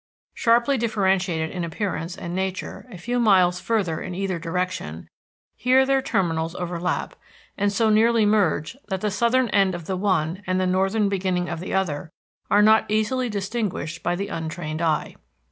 Sharply differentiated in appearance and nature a few miles further in either direction, here their terminals overlap, and so nearly merge that the southern end of the one and the northern beginning of the other are not easily distinguished by the untrained eye.